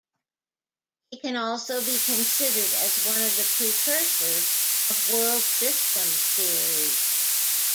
He can also be considered as one of the precursors of world-systems theory.